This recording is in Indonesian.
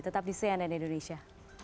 tetap di cnn indonesia